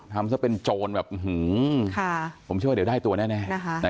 ทำเสียเป็นโจรแบบหื้อผมเชื่อเดี๋ยวได้ตัวแน่